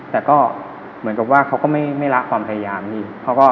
แต่ก็เหมือนกับว่าเขาก็ไม่ละความพยายามพี่